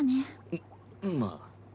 うっまあ。